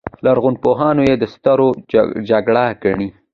لرغونپوهان یې د ستورو جګړه ګڼي.